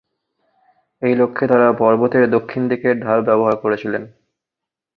এই লক্ষ্যে তারা পর্বতের দক্ষিণ দিকের ঢাল ব্যবহার করেছিলেন।